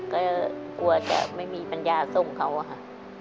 ก็กลัวจะไม่มีปัญญาส่งเขาอะค่ะ